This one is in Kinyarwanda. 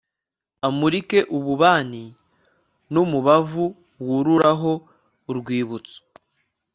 amurike ububani n'umubavu wurura ho urwibutso